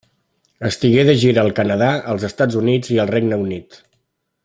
Estigué de gira al Canadà, als Estats Units, i al Regne Unit.